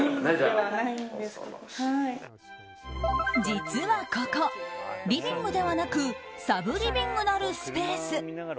実はここ、リビングではなくサブリビングなるスペース。